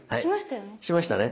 しましたよ。